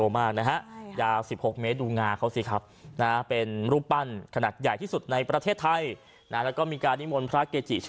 โอ้โฮใหญ่โตมากนะฮะ